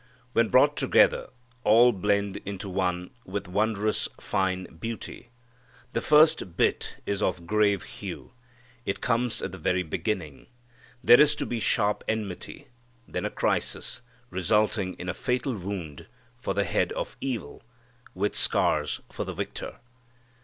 When brought together all blend into one with wondrous, fine beauty. The first bit is of grave hue. It comes at the very beginning. There is to be sharp enmity, then a crisis, resulting in a fatal wound for the head of evil, with scars for the victor.